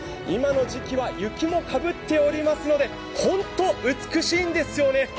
今の時期は雪もかぶっておりますのでホント、美しいんですよね。